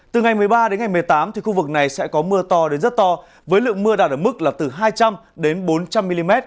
từ ngày một mươi ba đến ngày một mươi tám thì khu vực này sẽ có mưa to đến rất to với lượng mưa đạt ở mức là từ hai trăm linh đến bốn trăm linh mm